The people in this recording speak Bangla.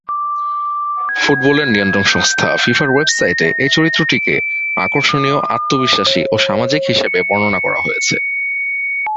ফুটবলের নিয়ন্ত্রক সংস্থা ফিফার ওয়েবসাইটে এই চরিত্রটিকে আকর্ষণীয়, আত্মবিশ্বাসী ও সামাজিক হিসেবে বর্ণনা করা হয়েছে।